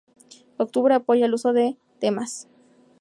Octubre apoya el uso de temas.